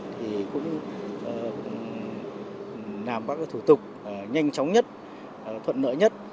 thì cũng làm các thủ tục nhanh chóng nhất thuận nợ nhất